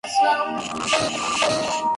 Toda ella es un jardín con muchos árboles.